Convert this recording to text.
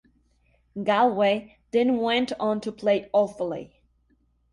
Galway then went on to play Offaly.